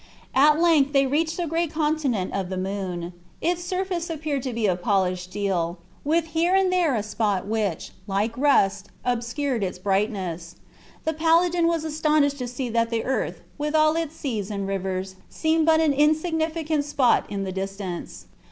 At length they reached the great continent of the Moon. Its surface appeared to be of polished steel, with here and there a spot which, like rust, obscured its brightness. The paladin was astonished to see that the earth, with all its seas and rivers, seemed but an insignificant spot in the distance.